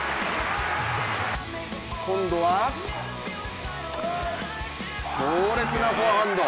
今度は強烈なフォアハンド。